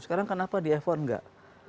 sekarang kenapa di f satu nggak